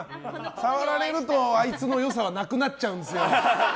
触られるとあいつの良さはなくなっちゃうんですよ。